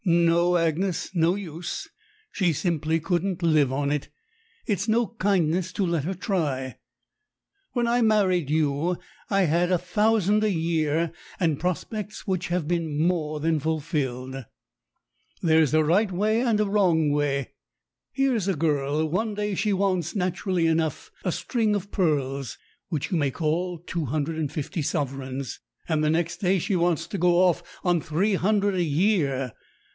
No, Agnes, no use. She simply couldn't live on it. It's no kindness to let her try. When I married you, 1 had a thousand a year and prospects which have been more than THE 'EIGHTY SEVEN 67 fulfilled. There's a right way and a wrong way. Here's a girl; one day she wants, naturally enough, a string of pearls, which you may call two hundred and fifty sovereigns, and the next day she wants to go off on three hundred a year.